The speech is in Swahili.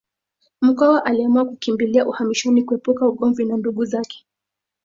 Mkwawa aliamua kukimbilia uhamishoni kuepuka ugomvi na ndugu zake